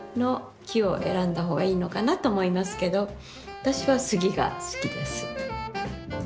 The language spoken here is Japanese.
私は杉が好きです。